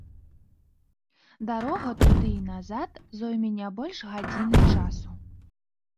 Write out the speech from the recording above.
Дарога туды і назад зойме не больш гадзіны часу.